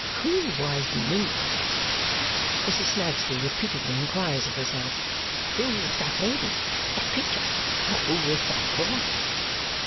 "Who was Nimrod?" Mrs. Snagsby repeatedly inquires of herself. "Who was that lady that creature? And who is that boy?"